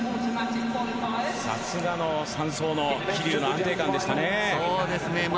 さすがの３走の桐生の安定感でしたね。